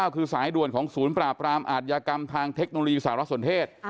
คือสายด่วนของศูนย์ปราบรามอาทยากรรมทางเทคโนโลยีสารสนเทศ